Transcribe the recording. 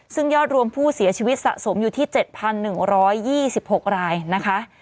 ซึ่งยอดรวมผู้เสียชีวิตสะสมอยู่ที่๗๑๒๖รายนะคะ